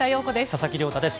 佐々木亮太です。